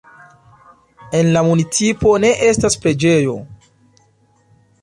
En la municipo ne estas preĝejo.